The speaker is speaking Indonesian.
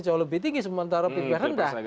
jauh lebih tinggi sementara pp rendah